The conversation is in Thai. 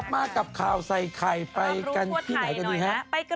ต่อมากับข่าวใส่ไข่ไปกันที่ไหนกันดีครับรับรู้ทั่วไทยหน่อยนะ